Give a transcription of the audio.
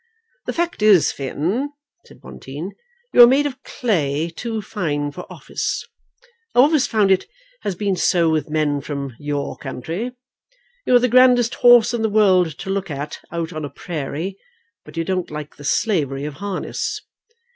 "The fact is, Finn," said Bonteen, "you are made of clay too fine for office. I've always found it has been so with men from your country. You are the grandest horses in the world to look at out on a prairie, but you don't like the slavery of harness."